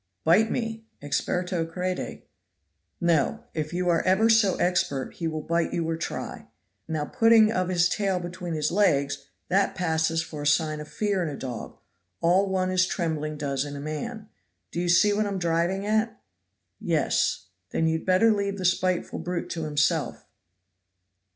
"Bite me. Experto crede." "No! if you are ever so expert he will bite you or try. Now putting of his tail between his legs, that passes for a sign of fear in a dog, all one as trembling does in a man. Do you see what I am driving at?" "Yes." "Then you had better leave the spiteful brute to himself?"